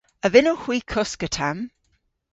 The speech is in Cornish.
A vynnowgh hwi koska tamm?